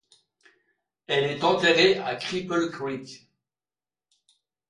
Elle est enterrée à Cripple Creek.